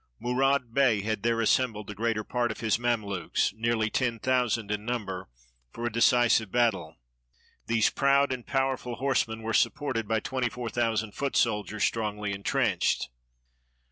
Mourad Bey had there assembled the greater part of his ^lamelukes, nearly ten thousand in number, for a decisive battle. These proud and powerful horsemen were supported by twenty four thousand foot soldiers, strongly intrenched.